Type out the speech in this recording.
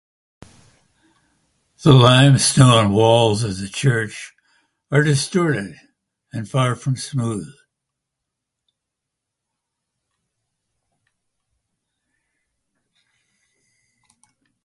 The limestone walls of the church are distorted and far from smooth.